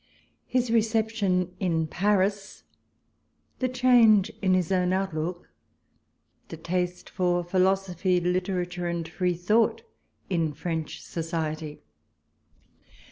115 HIS BECEPTWN IN PABIS THE CBAXGE IX HIS OWX OITLOOK THE TASTE FOR PHILOSOPHY. LITERATURE, ASD FREE THOUGHT IX FREXCH SOCIETY.